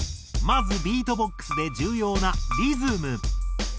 まずビートボックスで重要なリズム。